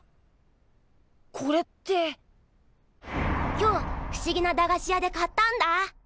今日ふしぎな駄菓子屋で買ったんだ。